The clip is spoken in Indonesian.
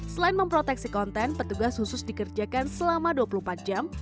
selain memproteksi konten petugas khusus dikerjakan selama dua puluh empat jam